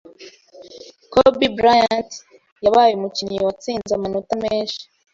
Kobe Bryant yabaye umukinnyi watsinze amanota menshi